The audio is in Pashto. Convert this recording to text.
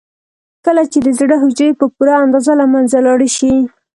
کله چې د زړه حجرې په پوره اندازه له منځه لاړې شي.